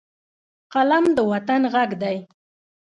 قلم د وطن غږ دی